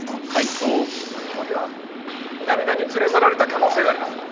「楠木香織は南田に連れ去られた可能性があります」